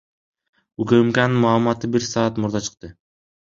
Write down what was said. УКМКнын маалыматы бир саат мурда чыкты.